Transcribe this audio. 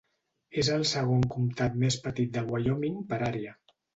És el segon comtat més petit de Wyoming per àrea.